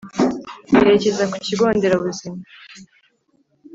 berekeza ku kigo nderabuzima,